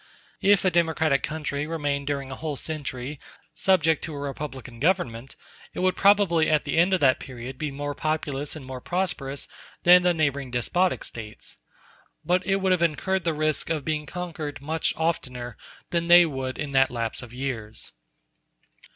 If a democratic country remained during a whole century subject to a republican government, it would probably at the end of that period be more populous and more prosperous than the neighboring despotic States. But it would have incurred the risk of being conquered much oftener than they would in that lapse of years.